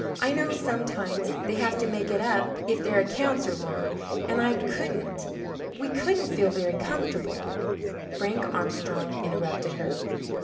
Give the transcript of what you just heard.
I know sometimes they have to make it up if their accounts are wrong, and I couldn't we couldn't feel very comfortable " Frank Armstrong interrupted her.